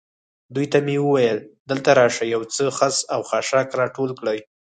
دوی ته مې وویل: دلته راشئ، یو څه خس او خاشاک را ټول کړئ.